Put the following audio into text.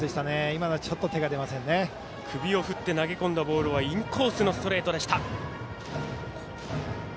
首を振って投げ込んだボールインコースのストレートでした。